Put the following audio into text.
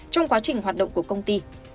trong quá trình hoạt động của công ty